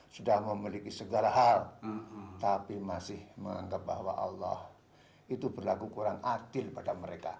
sudah memiliki segala hal tapi masih menganggap bahwa allah itu berlaku kurang adil pada mereka